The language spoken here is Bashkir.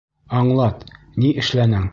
Аңлат, ни эшләнең?